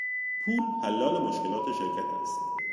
پول حلال مشکلات شرکت است.